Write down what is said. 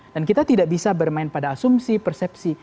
dan kita tidak bisa bermain pada asumsi persepsi